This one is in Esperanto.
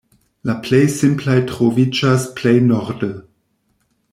La plej simplaj troviĝas plej norde.